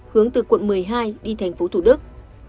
hướng từ quận một mươi hai đi tp thủ đức